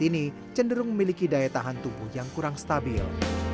ini cenderung memiliki daya tahan tubuh yang kurang stabil